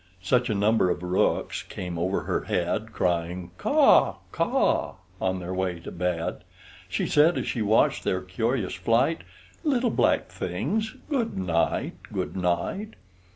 Such a number of rooks came over her head, Crying, "Caw, caw!" on their way to bed, She said, as she watched their curious flight, "Little black things, good night, good night!"